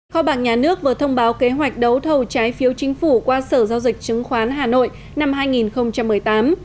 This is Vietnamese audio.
kho bạc nhà nước vừa thông báo kế hoạch đấu thầu trái phiếu chính phủ qua sở giao dịch chứng khoán hà nội năm hai nghìn một mươi tám